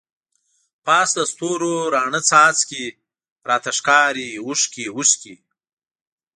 پاس دستورو راڼه څاڅکی، راته ښکاری اوښکی اوښکی